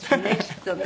きっとね。